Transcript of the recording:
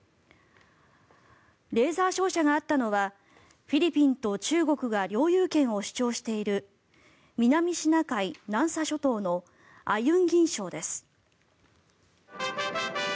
レーザー照射があったのはフィリピンと中国が領有権を主張している南シナ海・南沙諸島のアユンギン礁です。